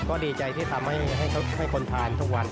ก็ดีใจที่ทำให้คนทานทุกวัน